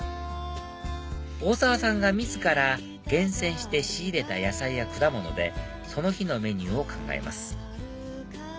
大澤さんが自ら厳選して仕入れた野菜や果物でその日のメニューを考えます